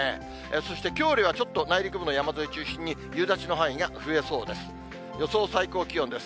そしてきょうよりはちょっと内陸部の山沿い中心に夕立の範囲が増えそうです。